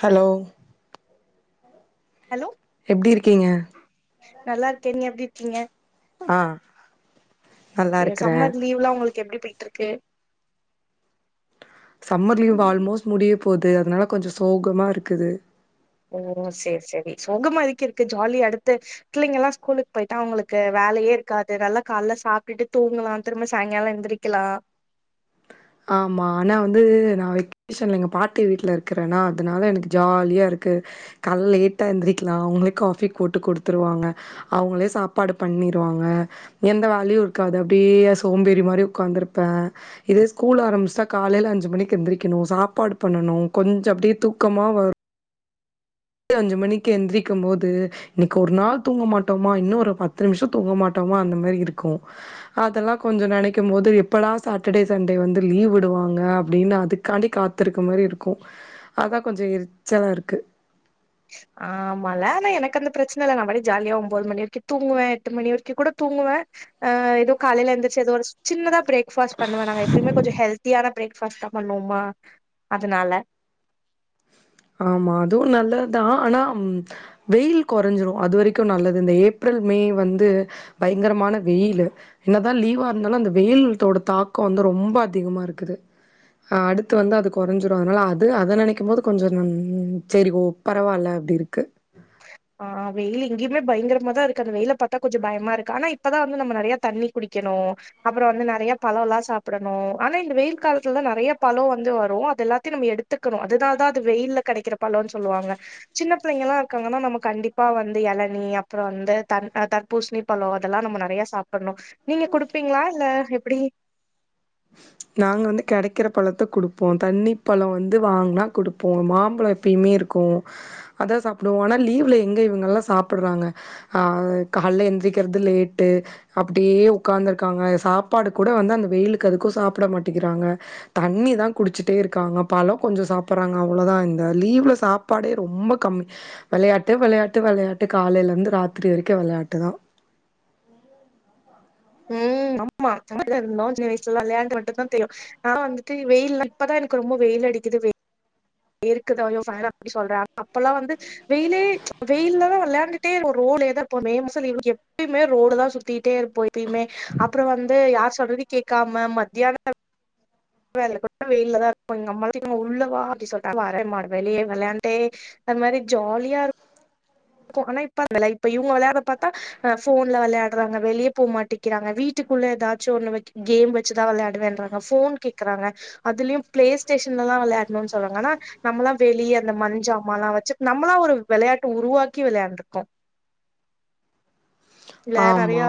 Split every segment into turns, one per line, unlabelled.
hello
hello
எப்டி இருக்கீங்க
நல்லா இருக்கே நீ எப்டி இருக்கீங்க
ஆஹ்
கே சம்மர் லீவ்லா உங்களுக்கு எப்டி போயி ட்ருக்கு
சம்மர் லீவ் ஆல்மோஸ்ட் முடிய போது அதனால கொஞ்சொ சோகமா இருக்குது
ஓ சேர் செரி சோகமா எதுக்கு இருக்கு ஜாலியா எடுத்து பிள்ளைங்க எல்லா ஸ்கூலுக்கு போயிட்டா அவங்களுக்கு வேலையே இருக்காது நல்லா காலைல சாப்ட்டுட்டு தூங்கலா திரும்ப சாயங்கால எழுந்திரிக்கலா
ஆமா ஆனா வந்து நா வெக்கேஷன்ல எங்க பாட்டி வீட்ல இருக்குறேன்னா அதனால எனக்கு ஜாலியா இருக்கு கால்ல லேட்டா எழுந்திரிக்லா அவங்களே காஃபி போட்டு கொடுத்துருவாங்க அவங்களே சாப்பாடு பண்ணிருவாங்க எந்த வேலையு இருக்காது அப்டியே சோம்பேறி மாரி உக்காந்துருப்பே இதேஸ் ஸ்கூல் ஆரம்பிச்சுட்டா காலையில அஞ்சு மணிக்கு எழுந்திரிக்கணு சாப்பாடு பண்ணனு கொஞ்ச அப்டியே தூக்கமா வர் ல ம்அஞ்சு மணிக்கு எந்திருக்கு போது இன்னைக்கு ஒரு நாள் தூங்க மாட்டோமா இன்னு ஒரு பத்து நிமிஷொ தூங்க மாட்டோமா அந்த மாரி இருக்கு அதெல்லா கொஞ்ச நெனைக்கு போது எப்படா சாட்டர்டே சண்டே வந்து லீவ் விடுவாங்க அப்டின்னு அதுக்காண்டி காத்துருக்க மாரி இருக்கு அதா கொஞ்ச எரிச்சலா இருக்கு
ஆமால ஆன எனக்கு அந்த பிரச்சன இல்ல நா பாட்டுக்கு ஜாலியா ஒம்போது மணி வரைக்கு தூங்குவே எட்டு மணி வரைக்கு கூட தூங்குவே ஆஹ் ஏதோ காலைல எழுந்திரச்சு ஏதொ ஒரு சின்னதா பிரேக் ஃபாஸ்ட் நாங்க எப்பவுமே கொஞ்ச ஹெல்த்தியான பிரேக் ஃபாஸ்டா பண்ணுவோமா அதனால
ஆமா அதுவு நல்லதுதா ஆனா ம் வெயில் கொறஞ்சுறோ அது வரைக்கு நல்லது இந்த ஏப்ரல் மே வந்து பயங்கரமான வெயிலு என்னதா லீவா இருந்தாலு அந்த வெயில்த்தோட தாக்கொ வந்து ரொம்ப அதிகமா இருக்குது ஆ அடுத்து வந்து அது கொறஞ்சுறு அதனால அது அத நெனைக்கும் போதுக் கொஞ்சொ ம் ம் சரி போ பரவாயில்ல அப்டி இருக்கு
ஆஹ் வெயில் இங்கேயுமே பயங்கரமாதா இருக்கு அந்த வெயில பாத்தா கொஞ்ச பயமா இருக்கு ஆனா இப்பதா வந்து நம்ம நெறைய தண்ணி குடிக்கணு அப்புறோ வந்து நெறைய பழோ எல்லா சாப்டணு ஆனா இந்த வெயில் காலத்துலதா நெறைய பழோ வந்து வரு அது எல்லாத்தையு நம்ம எடுத்துக்கணு அதனால தா அது வெயில்ல கெடைக்கிற பழன்னு சொல்லுவாங்க சின்ன பிள்ளைங்க எல்லா இருக்காங்கன்னா நமக் கண்டிப்பா வந்து இளநி அப்புறோ அந்த தன் அ தர்பூசணி பழோ அதெல்லா நம்ம நெறைய சாப்பட்ணு நீங்க குடுப்பீங்க்ளா இல்ல எப்டி
நாங்க வந்து கெடைக்கிற பழத்த கொடுப்போ தண்ணி பழோ வந்து வாங்குனா கொடுப்போ மாம்பழொ எப்பயுமே இருக்கு அதா சாப்புடுவோ ஆனா லீவு்ல எங்க இவங்கல்லா சாப்புடுறாங்க ஆ கால்ல எந்திரிக்கிறது லேட்டு அப்டியே உக்கார்ந்து இருக்காங்க சாப்பாடு கூட வந்து அந்த வெயிலுக் க்கு அதுக்கு சாப்ட மாட்டேங்குறாங்க தண்ணி தா குடிச்சுட்டே இருக்காங்க பழொ கொஞ்சொ சாப்புறாங்க அவ்ளோதா இந்த லீவ்ல சாப்பாடே ரொம்ப கம்மி வெளையாட்டு வெளையாட்டு வெளையாட்டு காலைல இருந்து ராத்திரி வரைக்கு வெளையாட்டுதா
ம் ஆமா நாம அப்டிதா இருந்தோ சின்ன வயசுலலா விளையாட்டு மட்டுதா தெரியு நா வந்துட்டு வெயில் இப்பதா எனக்கு ரொம்ப வெயில் அடிக்குது வெ இருக்குது ஐயோ வேணா அப்டி சொல்றே ஆனா அப்பல்லா வந்து வெயிலே வெயில்லதா விளையாண்டுட்டே இப்போ ரோடுலயேதா இப்போ மே மாச லீவுக்கு எப்பய்மே ரோடதா சுத்திட்டே இருப்பொ பிமே அப்புறோ வந்து யார் சொல்றதியு கேக்காம மத்யான வேலேல கூ [inaudible] வெயில்லதா இர் [inaudible] போ எங்கம்மாள் கேட்டாங்க உள்ளவா அப்டி சொல்ட்டா வரேன்மாடு வெளியே வெள்யாண்டே அது மாரி ஜாலியா இரு க்கு ஆனா இப்ப அந்த லைப்பு இவுங்க வெளாற பாத் ப அ ஃபோன்ல வெளையாட்றாங்க வெளிய போ மாட்டிக்கிறாங்க வீட்டுக்குள்ள எதாச்சு ஒன்னு வக் கேம் வச்சுதா வெளையாடுறேன்றாங்க ஃபோன் கேக்குறாங்க அதுல்யு பிளேஸ் ஸ்டேஷன்ல தா விளையாட்னுன் சொல்றாங்க ஆனா நம்முளா வெளிய இந்த மண்ஜாமாலா வச்சு நம்முளா ஒரு வெளையாட்டு உருவாக் கி விளாய்ண்ட்ருக்கோ
ஆமா
நெறையா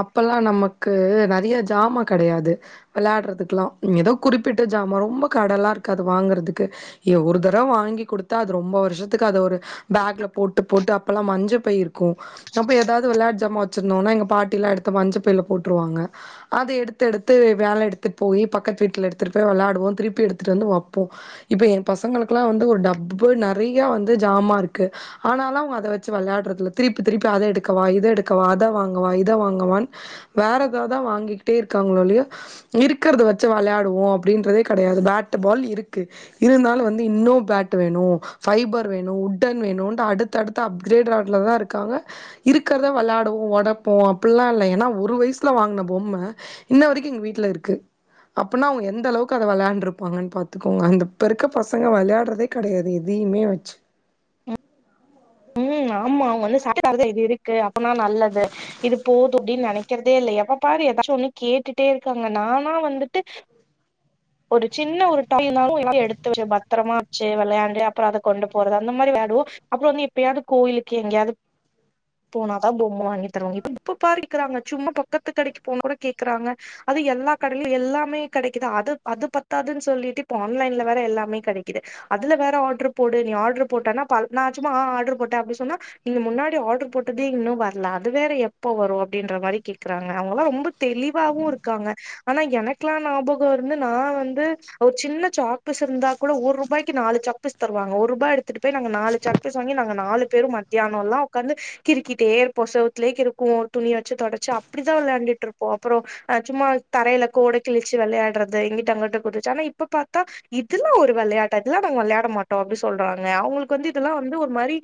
அப்பல்லா நமக்கு நறைய ஜாமா கெடையாது வெளாடுறதுக்குலா எதோ குறிப்பிட்ட ஜாமா ரொம்ப கடலா இருக்காது வாங்குறதுக்கு எ ஒரு தடவ் வாங்கி குடுத்தா அது ரொம்பா வருஷத்துக்கு அத ஒரு பேக்ல போட்டு போட்டு அப் அப்பலா மஞ்ச பை இருக்கு நம்ப எதாது விளாட் தமா வச்சிர்ந்தோனா எங்க பாட்டிலா எடுத்து மஞ்ச பைல போட்ருவாங்க அத எடுத்தெடுத்து வேல எடுத்துட் போயி பக்கத்து வீட்ல எடுத்துடு போய் வெளாடுவோ திருப்பி எடுத்துட்டு வந்து வப்போ இப்ப என் பசங்களுக்குலா வந்து ஒரு டப்பு நறையா வந்து ஜாமா இருக்கு ஆனாலு அவ்ங்க அத வச்சு வள்யாடுறதில திருப்பு திருப்பி அத எடுக்கவா இது எடு கவா அத வாங்கவா இதவாங்கவான் வேரெதாவ்தா வாங்கிகிட்டே இருக்காங்லொளிய இருக்குறத வச்சு வளாய்டுவோ அப்டின்றதே கடையாது பேட்டு பால் இருக்கு இருந்தாலு வந்து இன்னு பேட்டு வேணு ஃபைபர் வேனு உட்டன் வேனுன்ட்டு அடுத்தடுத்து அப்கிரேடு ராட்லதா இருக்காங்க இருக்கறத வெளா டோ ஒடப்போ அப்புல்லா இல்ல எனா ஒரு வய்ஸ்ல வாங்ன பொம்ம இன்ன வரைக்கு எங்க வீட்ல இருக்கு அப்புனா அவுங்க எந்தளவக்கு அத வெளாண்ட்ருப்பாங்கன் பாத்துக்கோங்க இந்த இப்பருக்க பசங்க வெள்யாட்றதே கடையாது எதியுமே வச்சு
ம் ஆமா அவுங் வந்து [unintelligible] இது இருக்கு அப்பனா நல்லது இது போது அப்டின் நனைக்கிறதே இல்ல எப்ப பாரு எதாச்சு ஒன்னு கேட்டுட்டே இருக்காங்க நானா வந்துட்டு ஒரு சின்ன ஒரு [unintelligible] னாலு எல்லாத்தியு எடுத்து வச்சு பத்தரமா வச்சு வெளையாண்டு அப்புறோ அத கொண்டு போறது அந்த மாரி வெளயாடுவோ அப்புறோ நீ எப்பியாது கோயிலுக்கு எங்யாது போனாதா பொம் வாங்கி தருவாங்க [inaudible] இப்ப பாரிவிக்குறாங்க சும்மா பக்கத்து கடைக்கு போனா கூட கேக்குறாங்க அது எல்லா கடலு எல்லாமே கெடைக்குது அது அது பத்தாதுன் சொல்லிட்டு இப்போ ஆன்லைன்ல வேற எல்லாமே கெடைக்குது அதுல வேற ஆர்ட்ரு போடு நீ ஆர்ட்ரு போட்டனா பால் நான் சும்மா ஆர்ட்ரு போட்ட அப்டி சொன்னா நீங்க முன்னாடி ஆர்ட்ரு போட்டதே இன்னு வர்ல அது வேற எப்போ வரு அப்டின்ற மாரி கே இருக்கறாங்க அவுங்கலா ரொம்ப தெளிவாவு இருக்காங்க ஆனா எனக்குலா ஞாபகோ ந்து நா வந்து ஒரு சின்ன சாக்பீஸ் இருந்தா கூட ஒரு ரூபாய்கு நாலு சாக்பீஸ் தருவாங்க ஒரு ரூபா எடுத்துட்டு போய் நாங்க நாலு சாக்பீஸ் வாங்கி நாங்க நாலு பேரு மத்தியானோல்லா ஒக்காந்து கிரிக்கிட்டே இருப்போ செவுத்துலே கிருக்குவோ துணி வச்சு தொடச்சு அப்படிதா விளான்டுட்டு இருப்போ அப்புறோ சும்மா தரைல கோடு கிழிச்சு விளையாட்றது த இங்கிட்டு அங்குட்டு குதிச்சா ஆனா இப்ப பாத்தா இதெல்லா ஒரு விளாட்டா இதெல்லா நாங்க விளாட மாட்டோ அப்டி சொல்றாங்க அவுங்களுக்கு வந்து இதெல்லா வந்து ஒரு மாரி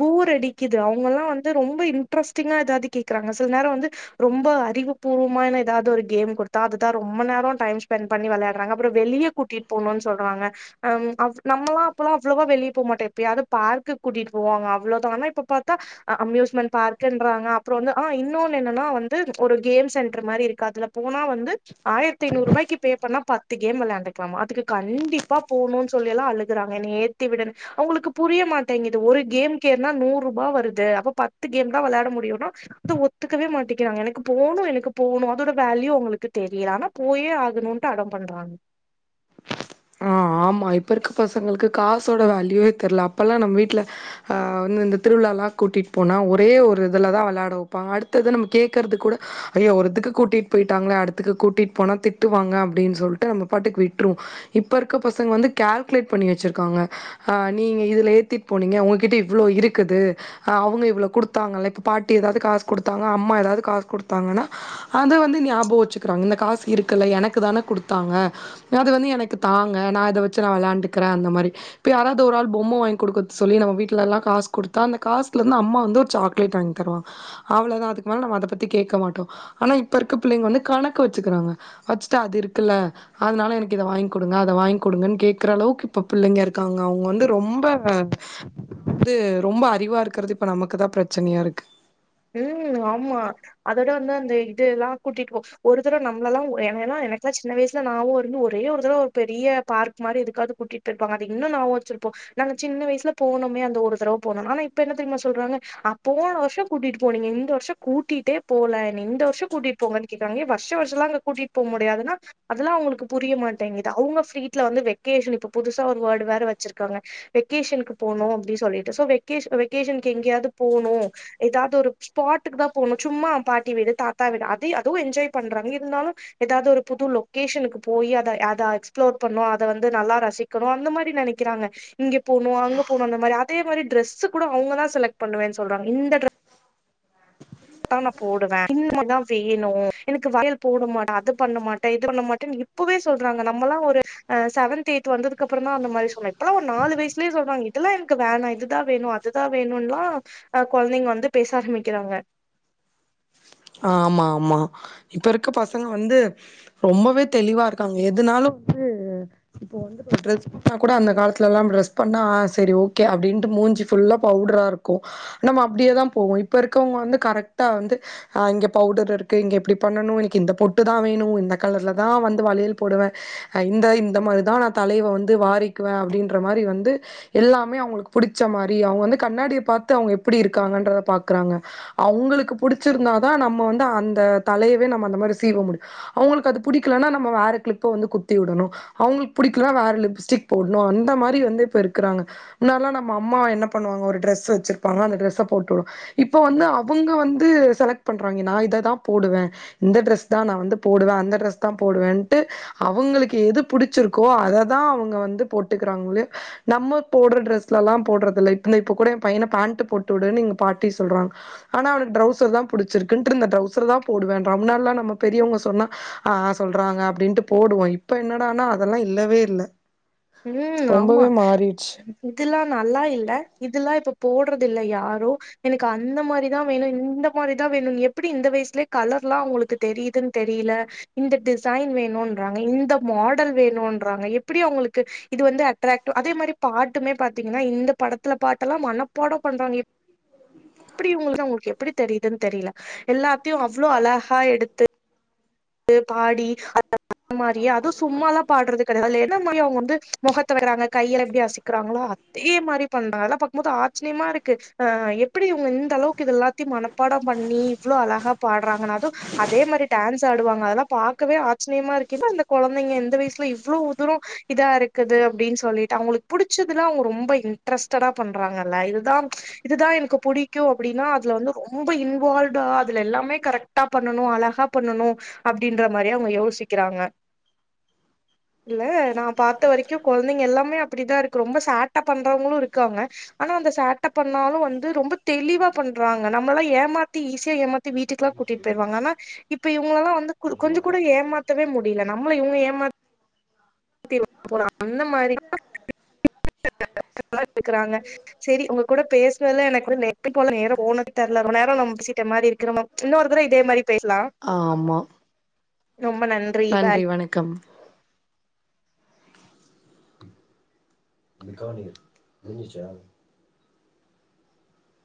போர் அடிக்குது அவங்கல்லா வந்து ரொம்ப இன்ட்ரெஸ்டிங்கா எதாவது கேக்குறாங்க சில நேர வந்து ரொம்ப அறிவுபூர்வமான எதாவது ஒரு கேம் குடுத்தா அதுதா ரொம்ப நேர டைம் பெண்ட் பண்ணி விளாட்றாங்க அப்பற வெளியே கூட்டிட்டு போணுனு சொல்றாங்க அம் அப் நம்மலா அப்பலா அவ்ளோவா வெளிய போ மாட்டோ எப்பையாது பார்க்கு கூட்டிட்டு போவாங்க அவ்ளோதா ஆனா இப்ப பாத்தா அம்யூஸ்மெண்ட் பார்குன்றாங்க அப்றோ வந்து ஆ இன்னொன்னு என்னன்னா வந்து ஒரு கேம் சென்டர் மாரி இருக்கு அதுல போனா வந்து ஆயிரத்தி அய்நூரூபாய்க்கி பே பண்ணா பத்து கேம் விளாண்ட்டுக்லாமா அதுக்கு கண்டிப்பா போணுனு சொல்லில்லா அழுகுறாங்க என்ன ஏத்தி விடுனு அவுங்களுக்கு புரிய மாட்டேங்குது ஒரு கேம் கேற்னா நூறு ரூபா வருது அப்ப பத்து கேம்தா விளாட முடியும்னா அது ஒத்துக்கவே மாட்டேிக்கிறாங்க எனக்கு போணு எனக்கு போணு அதோட வேல்யூ அவுங்களுக்கு தெரியல ஆனா போயே ஆகணு ப அடம் பண்றாங்க
ஆ ஆமா இப்ப இருக்க பசங்களுக்கு காசோட வேல்யூவே தெர்ல அப்பல்லா நம்ம வீட்டுல அ வந்து இந்த திருவிழாலா கூட்டிட்டு போனா ஒரே ஒரு இதுலதா விளையாட வைப்பாங்க அடுத்தது நம்ம கேக்குறது கூட ஐயோ ஒருதுக்கு கூட்டிட்டு போயிட்டாங்களே அடுத்துக்கு கூட்டிட்டு போனா திட்டுவாங்க அப்டின்னு சொல்லிட்டு நம்ம பாட்டுக்கு விட்ருவோ இப்ப இருக்க பசங்க வந்து கால்குலேட் பண்ணி வச்சிருக்காங்க ஆ நீங்க இதுல ஏத்திட்டு போனீங்க உங்ககிட்ட இவ்வளோ இருக்குது அவுங்க இவ்ளோ குடுத்தாங்கல்ல இப்ப பாட்டி எதாவது காசு கொடுத்தாங்க அம்மா எதாவது காசு குடுத்தாங்கன்னா அத வந்து ஞாபக வச்சுக்கிறாங்க இந்த காசு இருக்குல்ல எனக்கு தானே குடுத்தாங்க அது வந்து எனக்கு தாங்க நா இத வச்சு நா விளாண்டுக்குறே அந்த மாரி இப்ப யாராவது ஒரு ஆள் பொம்மை வாங்கி குடுக்க சொல்லி நம்ப வீட்லலா காசு குடுத்தா அந்த காசுலேருந்து அம்மா வந்து ஒரு சாக்லேட் வாங்கி தருவாங்க அவ்ளோதா அதுக்கு மேல நம்ம அத பத்தி கேக்க மாட்டோ ஆனா இப்ப இருக்க புள்ளைங்க வந்து கணக்கு வச்சுக்குறாங்க வச்சுட்டு அது இருக்குல அதுனால எனக்கு இத வாங் குடுங்க அத வாங்கி குடுங்கன்னு கேக்குற அளவுக்கு இப்ப பிள்ளைங்க இருக்காங்க அவுங்க வந்து ரொம்ப வந்து ரொம்ப அறிவா இருக்கிறது இப்ப நமக்குதா பிரச்சனையா இருக்கு
ம் ஆமா அதோட வந்து அந்த இதுல்லா கூட்டிட்டு போ ஒரு தடவ நம்மளலா என்னல்லா சின்ன வயசுல நாவு இருந்து ஒரே ஒரு தட ஒரு பெரிய பார்க் மாரி எதுக்காவது கூட்டிட்டு போயிருப்பாங்க அது இன்னு நாவும் வச்சிருப்போம் நாங்க சின்ன வயசுல போனோமே அந்த ஒரு தடவோ போனணோ ஆனா இப்ப என்ன தெரியுமா சொல்றாங்க அப்ப போன வருஷ கூட்டிட்டு போனீங்க இந்த வருஷ கூட்டிட்டே போல என்ன இந்த வருஷ கூட்டிட்டு போங்கன்னு கேக்காங்க வருஷ வருஷம் எல்லா அங்க கூட்டிட்டு போக முடியாதுன்னா அதெல்லா அவுங்களுக்கு புரிய மாட்டேங்குது அவுங்க ஃப்ரீட்ல வந்து வெக்கேஷன் இப்ப புதுசா ஒரு வேடு வேற வச்சிருக்காங்க வெகேஷனுக்கு போனு அப்டின்னு சொல்லிட்டு சோ வெ வெகேஷன்க்கு எங்கேயாவது போணு எதாவது ஒரு ஸ்பாட்டுக்குதா போணு சும்மா பாட்டி வீடு தாத்தா வீடு அதே அதுவு என்ஜாய் பண்றாங்க இருந்தாலு எதாவது ஒரு புது லொகேஷனுக்கு போய் அத அத எக்ஸ்பிளோர் பண்ணு அத வந்து நல்லா ரசிக்கணு அந்த மாரி நெனைக்கிறாங்க இங்க போணு அங்க போனு அந்த மாரி அதே மாரி டிரெஸ் கூட அவுங்கதா செலக்ட் பண்ணுவேன்னு சொல்றாங்க இந்த தா நா போடுவே இன் மாரிதா வேணு எனக்கு வலயல் போடமாட்டே அது பண்ணமாட்டே இது பண்ண மாட்டேன்னு இப்பவே சொல்றாங்க நம்மல்லா ஒரு அ செவன்த் எய்த் வந்ததுக்கு அப்புற தா அந்த மாரி சொன்ன இப்பல்லா ஒரு நாலு வயசுலயே சொல்றாங்க இதெல்லா எனக்கு வேணா இதுதா வேணு அதுதா வேணும்லா அ குழந்தைங்க வந்து பேச ஆரம்பிக்கிறாங்க
அ ஆமா ஆமா இப்ப இருக்க பசங்க வந்து ரொம்பவே தெளிவா இருக்காங்க எதுனாலு வந்து இப்ப வந்து ட்ரெஸ் பண்ணா கூட அந்த காலத்துல எல்லா டிரெஸ் பண்ணா செரி ஓகே அப்படின்ட்டு மூஞ்சி ஃபுல்லா பவுடரா இருக்கு நம்ம அப்டியேதா போவோ இப்ப இருக்கவங்க வந்து கரெக்டா வந்து அ இங்க பவுடர் இருக்கு இங்க எப்படி பண்ணணு எனக்கு இந்த பொட்டுதா வேணு இந்த கலர்லதா வந்து வளையல் போடுவே இந்த இந்த மாரிதா நா தலைவ வந்து வாரிக்குவே அப்டின்ற மாரி வந்து எல்லாமே அவுங்களுக்கு பிடிச்ச மாரி அவுங்க வந்து கண்ணாடிய பாத்து அவுங்க எப்படி இருக்காங்கன்றத பாக்குறாங்க அவுங்களுக்கு புடிச்ச இருந்தாதா நம்ம வந்து அந்த தலையவே நம்ம அந்த மாரி சீவ முடியு அவுங்களுக்கு அது பிடிக்கலனா நம்ம வேற கிளிப்ப வந்து குத்தி விடணு அவுங்களுக்கு பிடிக்கலா வேற லிப்ஸ்டிக் போடணு அந்த மாதிரி வந்து இருக்கிறாங்க முன்னல்லா நம்ம அம்மா என்ன பண்ணுவாங்க ஒரு ட்ரெஸ் வச்சிருப்பா அந்த ட்ரஸ்ஸ போட்டு விடு இப்ப வந்து அவங்க வந்து செலக்ட் பன்றாங்க நா இததா போடுவே இந்த ட்ரெஸ்தா நா வந்து போடுவே அந்த ட்ரெஸ்தா போடுவேன்டு அவுங்களுக்கு எது புடிச்சிருக்கோ அததா அவுங்க வந்து போட்டுக்குறாங்களே நம்ம போடுற ட்ரெஸ்லலா போடுறது இல்ல இப்ப கூட என் பையன பேன்டு போட்டு விடுனு எங்க பாட்டி சொல்றாங்க ஆனா அவனுக்கு ட்ரௌசர்தா புடிச்சிருக்குன்ட்டு இந்த ட்ரௌசர்தா போடுவே ரம்நாள்லா நம்ம பெரியவுங்க சொன்னா ஆ சொல்றாங்க அப்படின்ட்டு போடுவோ இப்ப என்னடானா அதெல்லா இல்லவே இல்ல
ம் ஆமா
ரொம்பவே மாறிடுச்சு
இதெல்லா நல்லா ல்ல இதுல்லா இப்ப போடுறது இல்ல யாரோ எனக்கு அந்த மாரிதா வேணு இந்த மாரிதா வேணு எப்படி இந்த வயசுலே கலர்ல்லா அவுங்களுக்கு தெரியுதுன்னு தெரியல இந்த டிசைன் வேணுன்றங்க இந்த மாடல் வேணுன்றாங்க எப்படி அவுங்களுக் இது வந்து அட்ராக்டிவ் அதே மாரி பாட்டுமே பாத்தீங்கன்னா இந்த படத்துல பாட்டல்லா மனப்பாட பண்றாங்க எப்படி உங்களுக்கு உங்களுக்கு எப்படி தெரியுதுன்னு தெரியல எல்லாத்தையு அவ்ளோ அழகா எடுத்து து பாடி அதே மாரியே அது சும்மாலா பாடுறது துல என்ன மாரி அவுங்க வந்து முகத்த வெக்கிறாங்க கையலா எப்டி அசிக்கக்கிறாங்களோ அதே மாரி பண்றாங்க அதெல்லா பாக்கும்போது ஆச்சரியமா இருக்கு ஆ எப்டி அவுங்க இந்த அளவுக்கு இது எல்லாத்தையு மனப்பாடம் பண்ணி இவ்வளோ அழகா பாடுறாங்கன்னு அதும் அதே மாரி டான்ஸ் தாடுவாங்க அதெல்லா பாக்கவே ஆச்சிரியமா இருக்கு என்ன இந்த கொழந்தைங்க இந்த வயசுல இவ்ளோவு தூரொ இதா இருக்குது அப்டின்னு சொல்லிட்டு அவங்களுக்கு படிச்சதுலா அவங்கொ இன்ட்ரஸ்டட்டா பண்றாங்கல்ல இதுதா இதுதா எனக்கு புடிக்கு அப்டின்னா அதுல வந்து ரொம்ப இன்வால்ட்டா அதுல எல்லாமே கரெக்டா பண்ணணு அழகா பண்ணணு அப்டின்ற மாரியே அவங்க யோசிக்கிறாங்க இல்ல நா பாத்த வரைக்கு கொழந்தைங்க எல்லாமே அப்டிதா இருக்கு ரொம்ப சேட்ட பண்றவங்களு இருக்காங்க ஆனா அந்த சேட்ட பண்ணாலு வந்து ரொம்ப தெளிவா பண்றாங்க நம்மல்லா ஏமாத்தி ஈஸியா ஏமாத்தி வீட்டுக்குல்லா கூட்டிட்டு போயிருவாங்க ஆனா இப்ப இவ் ங்களலா வந்து கு கொஞ்சொ கூட ஏமாத்தவே மு டில நம்மள இவங்க ஏமா தி [inaudible] அந்த மாரி [inaudible] [inaudible] க்குறாங்க சரி உங்க கூட பேசுனதுல எனக்கு நேத்து போல நேரொ போனதே தெய்வ ரொம்ப நேர நம்ம பேசிட்ட மாரி இருக்கு நம்ம இன்னொரு தர இதே மாரி பேச்லா
ஆமா நன்றி வணக்கம் நிகானி விட்ஜுச்சா